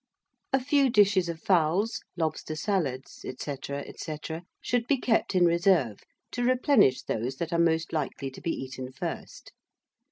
A few dishes of fowls, lobster salads, &c. &c., should be kept in reserve to replenish those that are most likely to be eaten first.